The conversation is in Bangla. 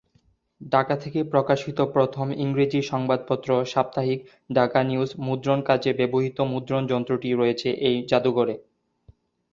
ঢাকা থেকে প্রকাশিত প্রথম ইংরেজি সংবাদপত্র সাপ্তাহিক ‘ঢাকা নিউজ’ মুদ্রণ কাজে ব্যবহৃত মুদ্রণ যন্ত্রটি রয়েছে এই জাদুঘরে।